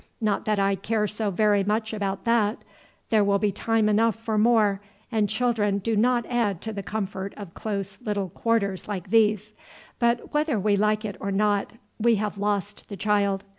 Not that I care so very much about that; there will be time enough for more, and children do not add to the comfort of close little quarters like these. But whether we like it or not, we have lost the child.